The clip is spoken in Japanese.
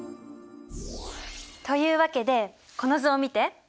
というわけでこの図を見て。